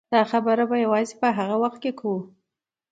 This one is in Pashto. دا خبره یوازې په هغه وخت کوو.